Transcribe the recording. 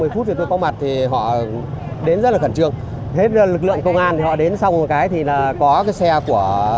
một mươi phút thì tôi có mặt thì họ đến rất là khẩn trương hết lực lượng công an thì họ đến xong một cái thì là có cái xe của